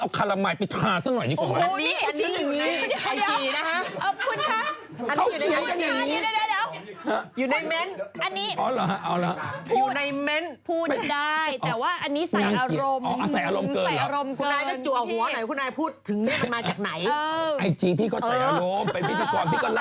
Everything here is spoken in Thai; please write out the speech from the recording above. เอาคารามัยไปทาซะหน่อยดีกว่า